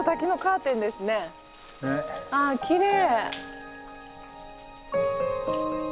あきれい。